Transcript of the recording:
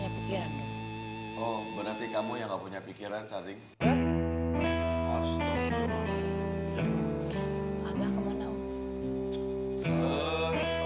sakit heran kayaknya banyak pikiran ya tepang